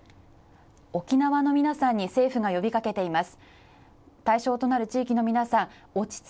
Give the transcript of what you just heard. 沖縄の皆さんに政府が呼びかけています。